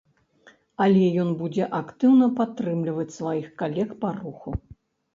Але ён будзе актыўна падтрымліваць сваіх калег па руху.